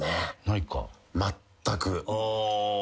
まったく。